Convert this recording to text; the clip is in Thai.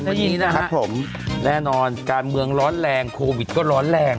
วันนี้นะครับผมแน่นอนการเมืองร้อนแรงโควิดก็ร้อนแรง